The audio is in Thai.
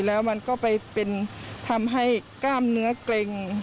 แล้วมันก็ไปเป็นทำให้กล้ามเนื้อเกร็ง